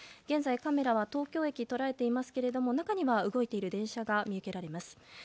現在カメラは東京駅を捉えていますが中には動いている電車が見受けられます。